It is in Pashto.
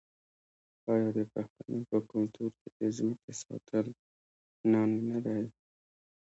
آیا د پښتنو په کلتور کې د ځمکې ساتل ننګ نه دی؟